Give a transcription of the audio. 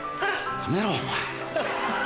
やめろお前。